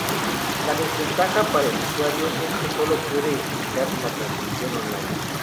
La desventaja para el usuario es que sólo puede escuchar la transmisión online.